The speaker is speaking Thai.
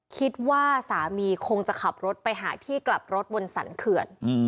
คิดว่าสามีคงจะขับรถไปหาที่กลับรถบนสรรเขื่อน